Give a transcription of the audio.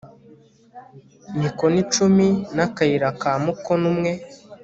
mikono cumi n akayira ka mukono umwe